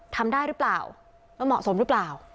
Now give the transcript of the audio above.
ทำได้รึเปล่าและเหมาะสมรึเปล่า